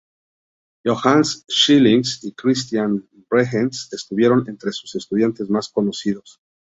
Johannes Schilling y Christian Behrens estuvieron entre sus estudiantes más conocidos.